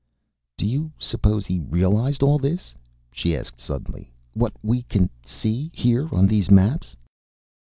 "Do you suppose he realized all this?" she asked suddenly. "What we can see, here on these maps?"